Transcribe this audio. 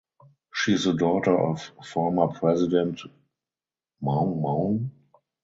She is the daughter of former president Maung Maung.